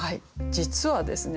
実はですね